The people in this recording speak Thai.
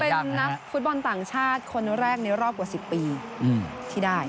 เป็นนักฟุตบอลต่างชาติคนแรกในรอบกว่า๑๐ปีที่ได้